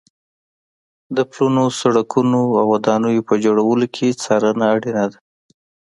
د پلونو، سړکونو او ودانیو په جوړولو کې څارنه اړینه ده.